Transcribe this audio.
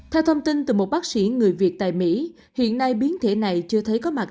theo thông tin từ một bác sĩ người việt tại mỹ hiện nay biến thể này chưa thấy có mặt